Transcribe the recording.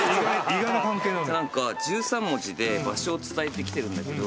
何か１３文字で場所を伝えてきてるんだけど。